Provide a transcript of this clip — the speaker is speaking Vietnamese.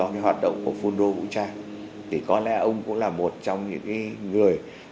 và ngược lại